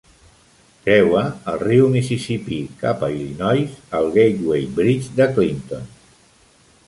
Creua el riu Mississipí cap a Illinois al Gateway Bridge de Clinton.